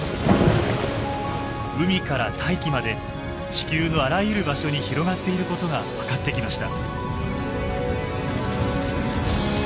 海から大気まで地球のあらゆる場所に広がっていることが分かってきました。